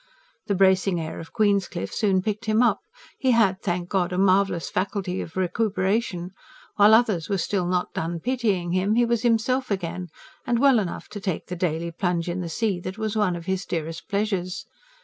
The bracing air of Queenscliff soon picked him up; he had, thank God, a marvellous faculty of recuperation: while others were still not done pitying him, he was himself again, and well enough to take the daily plunge in the Sea that was one of his dearest pleasures.